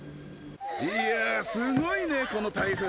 いやぁすごいねこの台風。